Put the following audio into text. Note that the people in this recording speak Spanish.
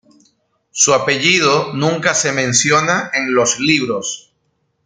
Su apellido nunca se menciona en los libros.